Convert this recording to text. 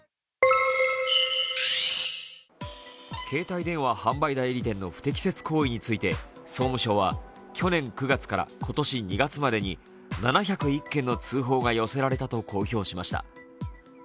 携帯電話販売代理店の不適切行為について総務省は去年９月から今年２月までに７０１件の通報が寄せられたと公表しました。